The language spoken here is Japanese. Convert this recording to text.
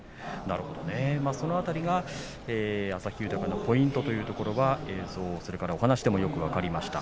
その辺りが旭豊のポイントということは、映像とお話でもよく分かりました。